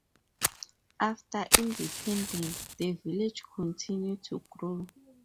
After independence, the village continued to grow.